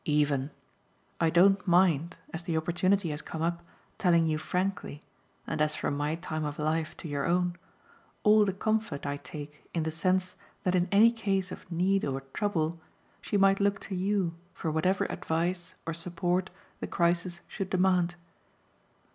"Even! I don't mind, as the opportunity has come up, telling you frankly and as from my time of life to your own all the comfort I take in the sense that in any case of need or trouble she might look to you for whatever advice or support the crisis should demand."